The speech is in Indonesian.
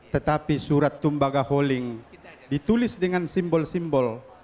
tetapi surat tumbaga holding ditulis dengan simbol simbol